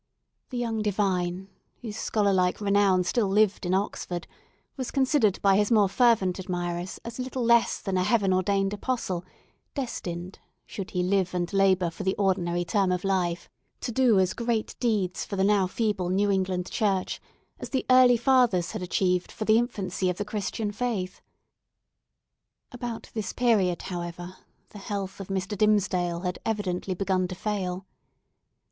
The young divine, whose scholar like renown still lived in Oxford, was considered by his more fervent admirers as little less than a heavenly ordained apostle, destined, should he live and labour for the ordinary term of life, to do as great deeds, for the now feeble New England Church, as the early Fathers had achieved for the infancy of the Christian faith. About this period, however, the health of Mr. Dimmesdale had evidently begun to fail.